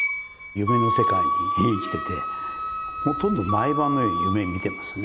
夢の世界に生きててほとんど毎晩のように夢見てますね。